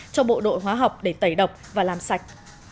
cho bộ đội hóa học để tẩy độc và làm sạch